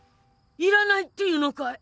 いらないって言うのかい？